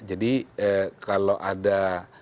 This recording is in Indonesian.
jadi kalau ada